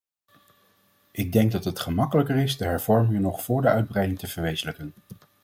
Ik denk dat het gemakkelijker is de hervormingen nog voor de uitbreiding te verwezenlijken.